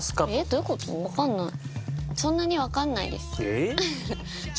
どういう事？わかんない。